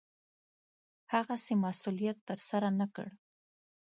هغسې مسوولت ترسره نه کړ.